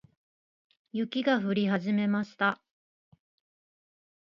雪が降り始めました。